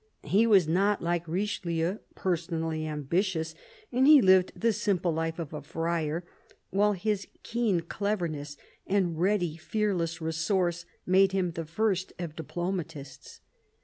He was not, like Richelieu personally ambitious, and he lived the simple life of a friar while his keen cleverness and ready, fearless resource made him the first of diplomatists.